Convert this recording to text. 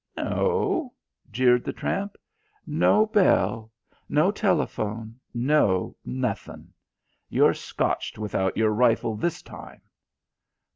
"No?" jeered the tramp. "No bell. No telephone. No nothing. You're scotched without your rifle this time."